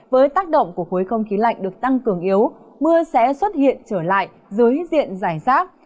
với tác động của khối không khí lạnh được tăng cường yếu mưa sẽ xuất hiện trở lại dưới diện giải rác